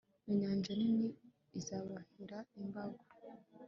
inyanja nini izababera imbago